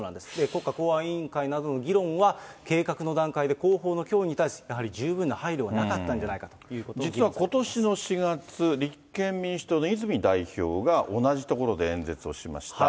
国家公安委員会などの議論は、計画の段階で、後方の脅威に対し、やはり十分な配慮がなかったんじゃないかとい実はことしの４月、立憲民主党の泉代表が同じ所で演説をしました。